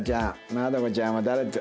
まどかちゃんは誰。